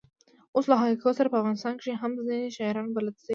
اوس له هایکو سره په افغانستان کښي هم ځیني شاعران بلد سوي دي.